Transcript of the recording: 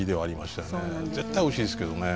絶対おいしいんですけどね。